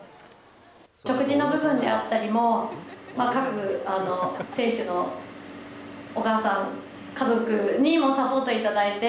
食事の部分であったりも、各選手のお母さん、家族にもサポートいただいて。